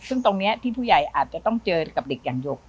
ซึ่งตรงนี้ที่ผู้ใหญ่อาจจะต้องเจอกับเด็กอย่างหยก